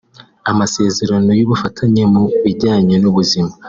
amasezerano y’ubufatanye mu bijyanye n’ubuzima